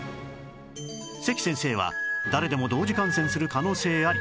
関先生は誰でも同時感染する可能性あり